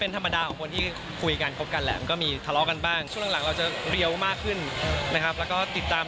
เป็นธรรมดาของคนที่คุยกันคบกันแหละมันก็มีทะเลาะกันบ้างช่วงหลังเราจะเรียวมากขึ้นนะครับแล้วก็ติดตาม